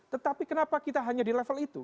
tetapi kenapa kita hanya di level itu